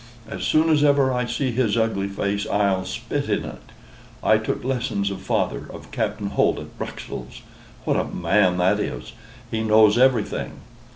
As soon as ever I see his ugly face I'll spit in it. I took lessons of Father of Captain Holt at Bruxelles. What a man that is! He knows everything."